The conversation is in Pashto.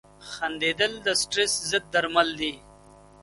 • خندېدل د سټرېس ضد درمل دي.